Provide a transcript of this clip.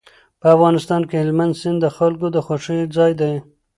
په افغانستان کې هلمند سیند د خلکو د خوښې ځای دی.